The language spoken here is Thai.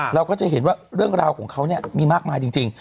เราก็จะเห็นว่าเรื่องราวของเขาเนี่ยมีมากมายจริง